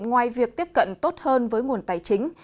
ngoài việc tiếp cận tốt hơn với nguồn tài chính